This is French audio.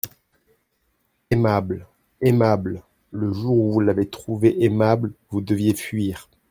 Aimable ! aimable ! Le jour où vous l'avez trouvée aimable, vous deviez fuir.